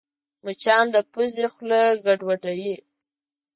مچان د پوزې خوله ګډوډوي